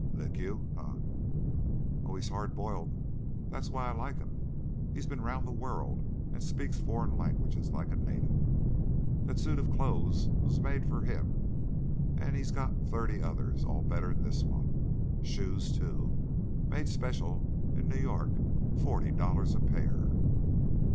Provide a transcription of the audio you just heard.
"Lick you? Hunh!" "Oh, he's hard boiled! That's why I like him. He's been 'round the world and speaks furrin language like a natif. That suit of clo's was made for him, an' he's got thirty others, all better 'n this one. Shoes, too! Made special, in New York. Forty dollars a pair!"